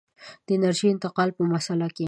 د انرژۍ د انتقال په مسأله کې.